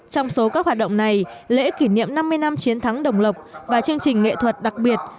trong số các hoạt động này lễ kỷ niệm năm mươi năm chiến thắng đồng lộc và chương trình nghệ thuật đặc biệt